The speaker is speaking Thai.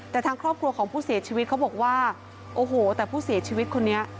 แต่ทางครอบครัวของผู้เสียชีวิตเขาบอกว่าโอ้โหแต่ผู้เสียชีวิตคนนี้